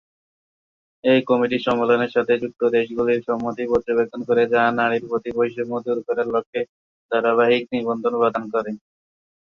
এই কমিটি সম্মেলনের সাথে যুক্ত দেশগুলির সম্মতি পর্যবেক্ষণ করে, যা নারীর প্রতি বৈষম্য দূর করার লক্ষ্যে ধারাবাহিক নিবন্ধ প্রদান করে।